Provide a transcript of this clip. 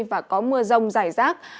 và có mưa rông dài rác